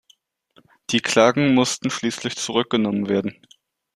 Die Klagen mussten schließlich zurückgenommen werden.